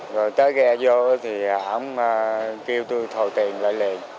rồi tới ghe vô thì ông kêu tôi thổi tiền lại liền